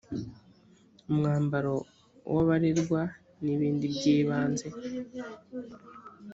umwambaro w’ abarerwa n ibindi by ibanze